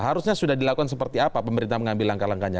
harusnya sudah dilakukan seperti apa pemerintah mengambil langkah langkahnya